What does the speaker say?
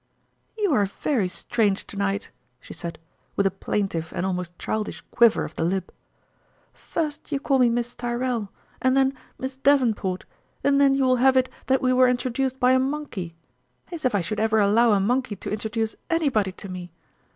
" You are very strange to night !" she said, with a plaintive and almost childish quiver of 56 tourmalin's ime the lip. " First you call me ' Miss Tyrrell ' and then i Miss Davenport,' and then you will have it that we were introduced by a monkey ! As if I should ever allow a monkey to intro duce anybody to me